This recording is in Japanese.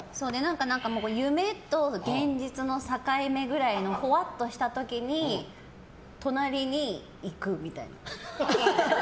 夢と現実の境目くらいのほわっとした時に隣にいくみたいな。